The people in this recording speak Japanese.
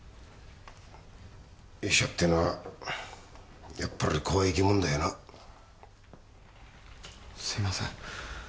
医者っていうのはやっぱり怖い生き物だよなすみません